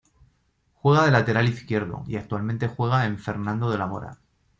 Juega de lateral izquierdo y actualmente juega en Fernando de la Mora.